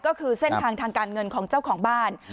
ก็คือเส้นทางทางการเงินของเจ้าของบ้าน